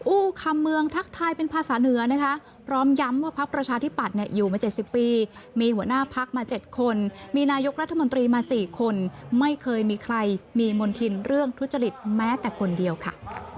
อู้คำเมืองทักทายเป็นภาษาเหนือนะคะพร้อมย้ำว่าพักประชาธิปัตย์อยู่มา๗๐ปีมีหัวหน้าพักมา๗คนมีนายกรัฐมนตรีมา๔คนไม่เคยมีใครมีมณฑินเรื่องทุจริตแม้แต่คนเดียวค่ะ